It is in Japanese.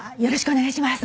お願いします。